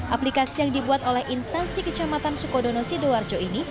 aplikasi yang dibuat oleh instansi kecamatan sukodono sidoarjo ini